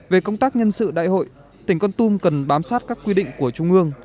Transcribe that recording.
về công tác nhân sự đại hội tỉnh con tum cần bám sát các quy định của trung ương